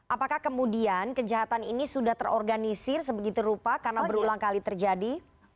apakah kemudian kejahatan ini sudah terorganisir sebegitu rupa karena berulang kali terjadi